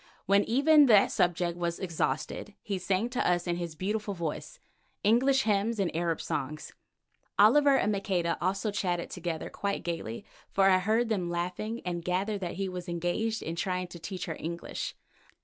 When even that subject was exhausted, he sang to us in his beautiful voice—English hymns and Arab songs. Oliver and Maqueda also chatted together quite gaily, for I heard them laughing, and gathered that he was engaged in trying to teach her English.